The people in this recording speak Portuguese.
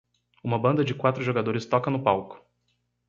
Uma banda de quatro jogadores toca no palco.